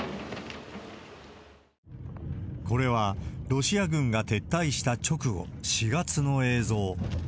これはロシア軍が撤退した直後、４月の映像。